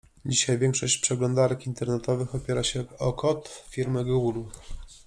Dzisiaj większość przeglądarek internetowych opiera się o kod firmy Google.